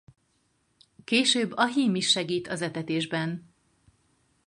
Később a hím is segít az etetésben.